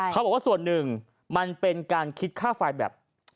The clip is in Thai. เขาบอกว่าส่วนหนึ่งมันเป็นการคิดค่าไฟแบบ